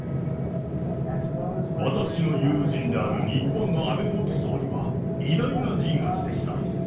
私の友人である日本の安倍元総理は、偉大な人物でした。